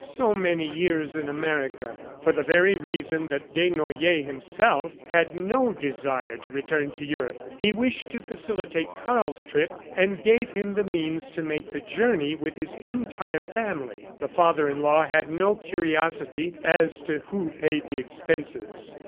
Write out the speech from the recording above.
So many years in America! ... For the very reason that Desnoyers himself had no desire to return to Europe, he wished to facilitate Karl's trip, and gave him the means to make the journey with his entire family. The father in law had no curiosity as to who paid the expenses.